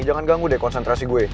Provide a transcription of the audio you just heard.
jangan ganggu deh konsentrasi gue